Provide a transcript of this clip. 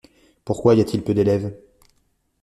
Pourquoi y-a-t'il peu d'élèves?